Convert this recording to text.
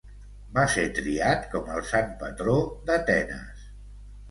Va ser triat com el sant patró d'Atenes.